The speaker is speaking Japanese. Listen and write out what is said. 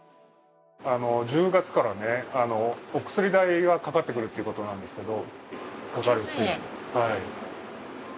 １０月からお薬代がかかってくるっていうことなんですけど。